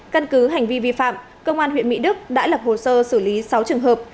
căn cứ hành vi vi phạm công an huyện mỹ đức đã lập hồ sơ xử lý sáu trường hợp